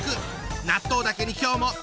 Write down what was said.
納豆だけに今日ものびる！